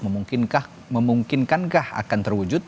memungkinkah memungkinkankah akan terwujud